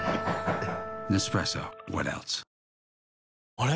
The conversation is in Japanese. あれ？